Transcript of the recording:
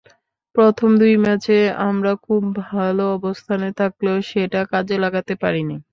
প্রথম দুই ম্যাচে আমরা খুব ভালো অবস্থানে থাকলেও সেটাকে কাজে লাগাতে পারিনি।